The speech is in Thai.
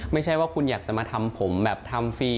ไม่ใช่ว่าคุณอยากจะมาทำผมแบบทำฟรี